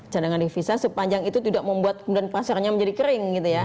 cadangan devisa sepanjang itu tidak membuat kemudian pasarnya menjadi kering gitu ya